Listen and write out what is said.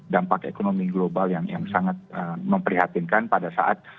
dampak ekonomi global yang sangat memprihatinkan pada saat